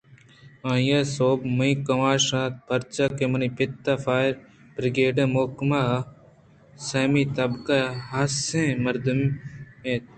آئی ءِ سوب مئے کماش ات پرچا کہ منی پت فائر بریگیڈ ءِ محکمہ ءَ سیمی تبک ءِ حاصیں مردمئے اَت